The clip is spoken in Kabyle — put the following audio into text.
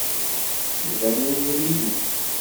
Iban ubrid-is.